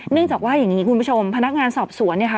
เนื่องจากว่าอย่างนี้คุณผู้ชมพนักงานสอบสวนเนี่ยค่ะ